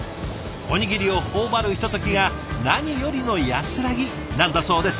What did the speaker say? おにぎりを頬張るひとときが何よりの安らぎなんだそうです。